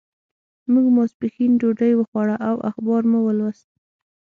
موږ ماسپښین ډوډۍ وخوړه او اخبار مو ولوست.